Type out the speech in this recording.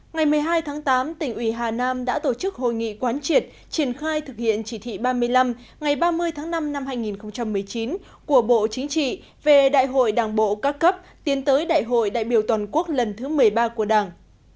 ngày một mươi hai tháng tám tỉnh ủy hà nam đã tổ chức hội nghị quán triệt triển khai thực hiện chỉ thị ba mươi năm ngày ba mươi tháng năm năm hai nghìn một mươi chín của bộ chính trị về đại hội đảng bộ các cấp tiến tới đại hội đại biểu toàn quốc lần thứ một mươi ba của đảng